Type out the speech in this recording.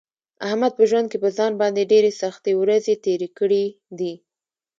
احمد په ژوند کې په ځان باندې ډېرې سختې ورځې تېرې کړې دي.